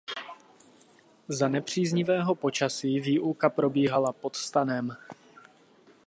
Za nepříznivého počasí výuka probíhala pod stanem.